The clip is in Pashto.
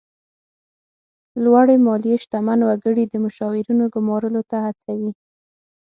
لوړې مالیې شتمن وګړي د مشاورینو ګمارلو ته هڅوي.